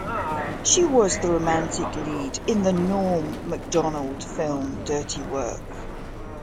She was the romantic lead in the Norm Macdonald film "Dirty Work".